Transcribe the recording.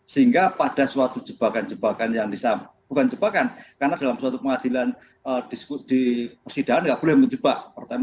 sehingga pada suatu jebakan jebakan yang disampaikan bukan jebakan karena dalam suatu pengadilan di persidangan nggak boleh menjebak pertama